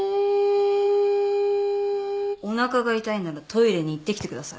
おなかが痛いならトイレに行ってきてください。